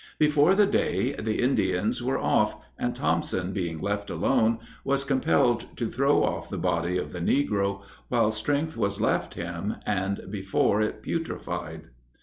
Before day the Indians were off, and Thompson being left alone, was compelled to throw off the body of the negro, while strength was left him, and before it putrefied.